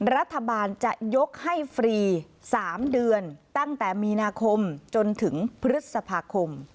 รัฐบาลจะยกให้ฟรี๓เดือนตั้งแต่มีนาคมจนถึงพฤษภาคม